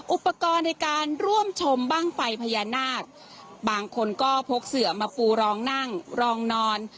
อุปกรณ์ในการร่วมชมบ้างไฟพญานาคบางคนก็พกเสือมาปูรองนั่งรองนอน